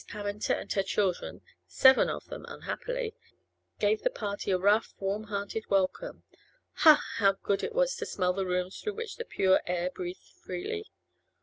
Pammenter and her children (seven of them, unhappily) gave the party a rough, warm hearted welcome. Ha! how good it was to smell the rooms through which the pure air breathed freely!